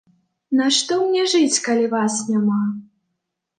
Нашто мне жыць, калі вас няма!